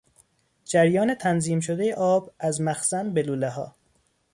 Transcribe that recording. جریان تنظیم شدهی آب از مخزن به لولهها